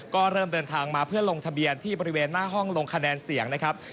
ก็เริ่มเดินทางมาเพื่อลงทะเบียนที่บริเวณหน้าห้องลงคะแนนเสียงนะครับ